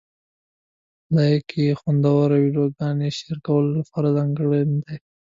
لایکي د خوندورو ویډیوګانو شریکولو لپاره ځانګړی دی.